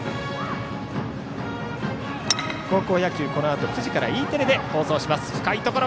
高校野球、このあと９時からＥテレで放送します。